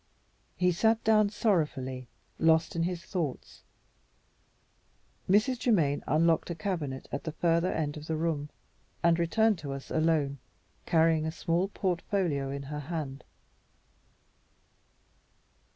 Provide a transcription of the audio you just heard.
He sat down sorrowfully, lost in his thoughts. Mrs. Germaine unlocked a cabinet at the further end of the room, and returned to us, alone, carrying a small portfolio in her hand.